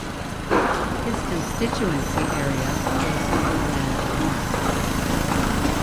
His constituency area is Zululand North.